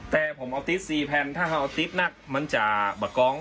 แต่ผมเอาติ๊กซีแพนถ้าเอาติ๊กนักมันจะบะกร้อง